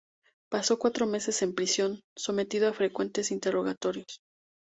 Pasó cuatro meses en prisión, sometido a frecuentes interrogatorios.